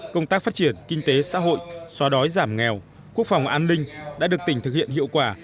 công tác phát triển kinh tế xã hội xóa đói giảm nghèo quốc phòng an ninh đã được tỉnh thực hiện hiệu quả